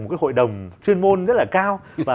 một cái hội đồng chuyên môn rất là cao